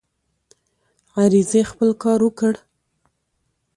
عریضې خپل کار وکړ.